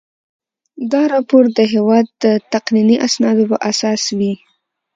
دا راپور د هیواد د تقنیني اسنادو په اساس وي.